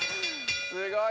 すごい！